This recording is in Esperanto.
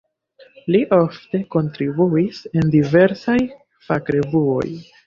Li ofte kontribuis en diversaj fakrevuoj.